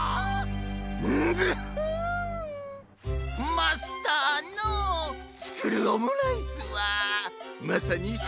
マスターのつくるオムライスはまさにし